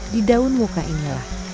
di daun woka inilah